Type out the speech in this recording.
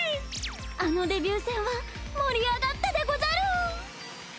あのデビュー戦は盛り上がったでござる！